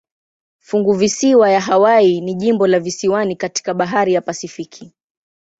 Funguvisiwa ya Hawaii ni jimbo la visiwani katika bahari ya Pasifiki.